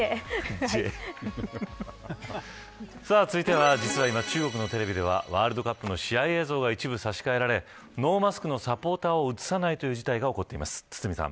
続いては、中国のテレビではワールドカップの試合映像が一部差し替えられノーマスクのサポーターを映さないという事態が起こっています。